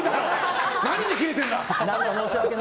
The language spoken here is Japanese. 何にキレてんだ！